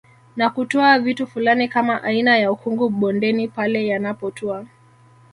Na kutoa vitu fulani kama aina ya ukungu bondeni pale yanapotua